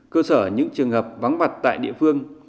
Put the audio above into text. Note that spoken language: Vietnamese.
cơ sở những trường hợp vắng mặt tại địa phương